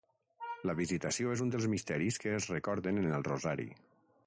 La Visitació és un dels misteris que es recorden en el rosari.